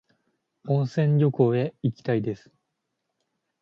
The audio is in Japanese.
温泉旅行へ行きたいです。